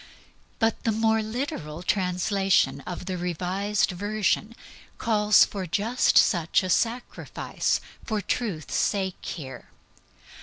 But the more literal translation of the Revised Version calls for just such a sacrifice for truth's sake here.